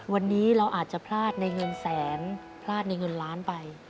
วันนี้เราอาจจะพลาดในเงินแสนพลาดในเงินล้านไป